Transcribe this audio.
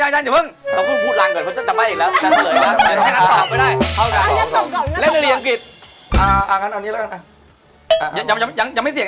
อันนี้ไม่ได้ยอก